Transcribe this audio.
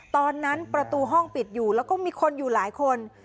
ตอนนั้นประตูห้องปิดอยู่แล้วก็มีคนอยู่หลายคน